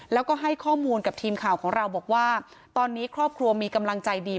แล้วก็ให้ข้อมูลกับทีมข่าวของเราบอกว่าตอนนี้ครอบครัวมีกำลังใจดี